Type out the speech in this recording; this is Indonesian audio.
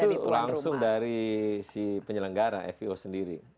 itu langsung dari si penyelenggara fio sendiri